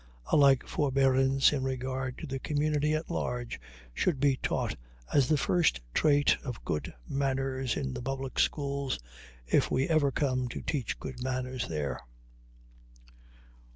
A like forbearance in regard to the community at large should be taught as the first trait of good manners in the public schools, if we ever come to teach good manners there.